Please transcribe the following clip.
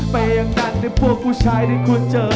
อย่างนั้นนะพวกผู้ชายที่ควรเจอ